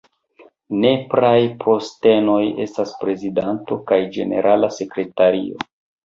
Nepraj postenoj estas prezidanto kaj ĝenerala sekretario.